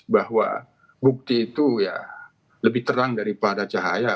bahwa bukti itu ya lebih terang daripada cahaya